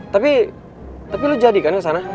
tapi tapi lo jadikan kesana